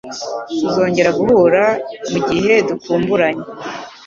Tuzongera guhura mugihe dukumburanye